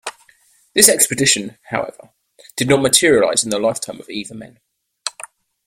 This expedition, however, did not materialize in the lifetime of either men.